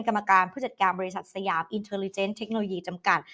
กรรมการผู้จัดการบริษัทสยามอินเทอร์ลิเจนเทคโนโลยีจำกัด